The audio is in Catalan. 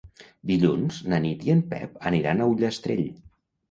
Dilluns na Nit i en Pep aniran a Ullastrell.